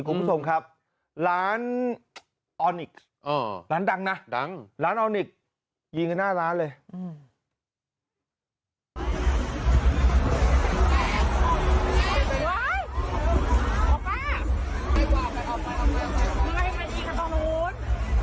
คุณผู้ชมครับร้านออนิกซ์ร้านดังนะดังร้านออนิกยิงกันหน้าร้านเลย